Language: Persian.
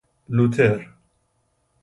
لوتر